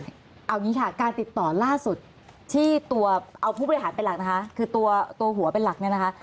เอาอย่างนี้ค่ะการติดต่อล่าสุดที่ตัวเอาผู้บริหารเป็นหลักนะคะคือตัวหัวเป็นหลักเนี่ยนะคะ